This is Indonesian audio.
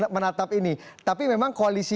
menatap ini tapi memang koalisi